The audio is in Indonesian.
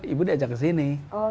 ibu diajak ke sini